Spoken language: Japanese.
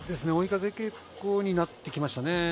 追い風傾向になってきましたね。